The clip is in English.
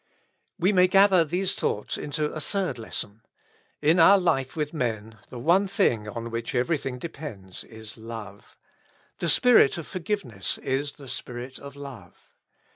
We may gather these thoughts into a third lesson : In our life with men the one thing on which every thing depends is love. The spirit of forgiveness is the spirit of love.